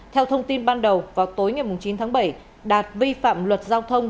theo thông tin ban đầu vào tối ngày chín tháng bảy đạt vi phạm luật giao thông